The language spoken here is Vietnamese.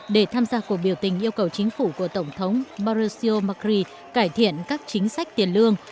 để tham gia cuộc biểu tình yêu cầu chính phủ của tổng thống mauricio macri cải thiện các chính sách tiền lương